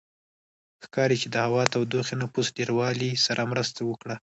ښکاري چې د هوا تودوخې نفوس ډېروالي سره مرسته وکړه